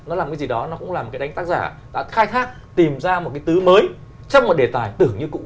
nó làm cái gì đó nó cũng là một cái đánh tác giả đã khai thác tìm ra một cái tứ mới trong một đề tài tử như cũ